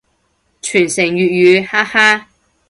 傳承粵語，哈哈